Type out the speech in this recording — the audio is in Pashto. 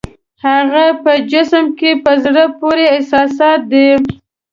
هغه یې په جسم کې په زړه پورې احساسات دي.